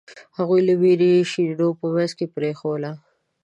هغوی له وېرې شیرینو په منځ کې پرېښووله.